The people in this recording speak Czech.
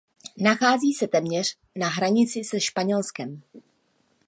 Nachází se téměř na hranici se Španělskem.